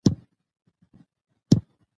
او په څېر چي د اوزګړي لېونی سي